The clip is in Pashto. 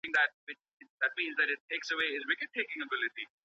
ژورنالیزم پوهنځۍ په زوره نه تحمیلیږي.